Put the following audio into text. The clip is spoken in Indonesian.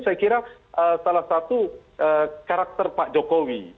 saya kira salah satu karakter pak jokowi